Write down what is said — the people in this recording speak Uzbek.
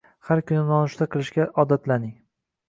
Har kuni nonushta qilishga odatlaning